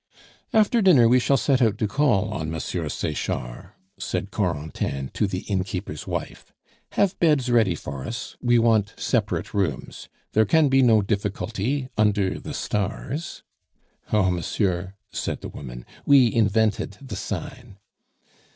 After dinner we shall set out to call on Monsieur Sechard," said Corentin to the innkeeper's wife. "Have beds ready for us, we want separate rooms. There can be no difficulty 'under the stars.'" "Oh, monsieur," said the woman, "we invented the sign."